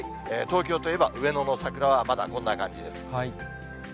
東京といえば、上野の桜はまだこんな感じです。